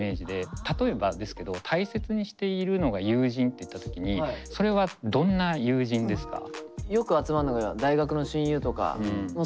例えばですけど大切にしているのが友人っていった時にそれはその周りなんすけど。